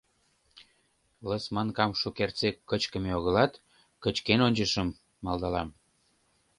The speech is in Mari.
— Лысманкам шукертсек кычкыме огылат, кычкен ончышым, — малдалам.